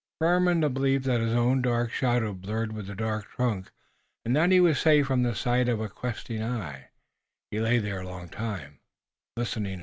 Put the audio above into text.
Firm in the belief that his own dark shadow blurred with the dark trunk, and that he was safe from the sight of a questing eye, he lay there a long time, listening.